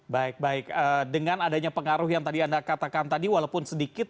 baik baik dengan adanya pengaruh yang tadi anda katakan tadi walaupun sedikit